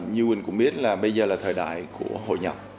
như quỳnh cũng biết là bây giờ là thời đại của hội nhập